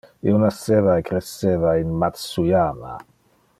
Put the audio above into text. Io nasceva e cresceva in Matsuyama.